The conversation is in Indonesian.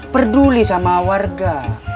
perduli sama warga